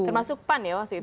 termasuk pan ya waktu itu